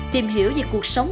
tìm hiểu về cuộc sống